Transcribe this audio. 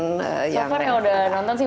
so far yang udah nonton sih